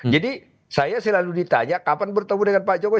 jadi saya selalu ditanya kapan bertemu dengan pak jokowi